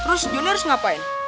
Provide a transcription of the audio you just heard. terus joni harus ngapain